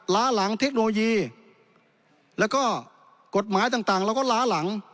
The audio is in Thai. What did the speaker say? ล้าหลังเทคโนโลยีแล้วก็กฎหมายต่างเราก็ล้าหลัง